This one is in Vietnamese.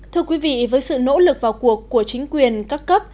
thưa quý vị với sự nỗ lực vào cuộc của chính quyền các cấp